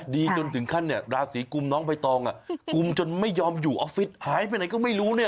ดีจนถึงขั้นเนี่ยราศีกุมน้องใบตองกุมจนไม่ยอมอยู่ออฟฟิศหายไปไหนก็ไม่รู้เนี่ย